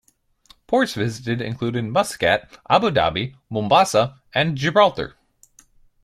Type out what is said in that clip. Ports visited included Muscat, Abu Dhabi, Mombasa and Gibraltar.